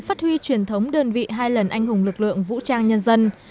phát huy truyền thống đơn vị hai lần anh hùng lực lượng vũ trang nhân dân